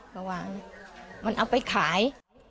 เพราะว่ามันเอาไปขาย